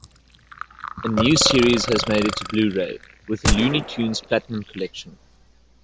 A new series has made it to Blu-ray with the Looney Tunes Platinum Collection.